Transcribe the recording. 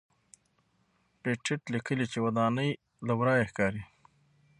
پېټټ لیکلي چې ودانۍ له ورایه ښکاري.